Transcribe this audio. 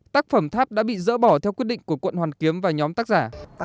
tác phẩm tháp đã bị dỡ bỏ theo quyết định của quận hoàn kiếm và nhóm tác giả